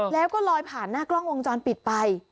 แล้วก็ลอยผ่านหน้ากล้องวงจรปิดไป